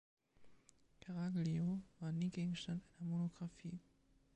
Caraglio war nie Gegenstand einer Monografie.